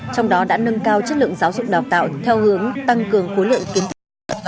trong đó đã nâng cao chất lượng giáo dục đào tạo theo hướng tăng cường khối lượng kiến thức